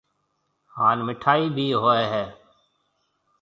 ھان مِٺائِي ڀِي ھوئيَ ھيََََ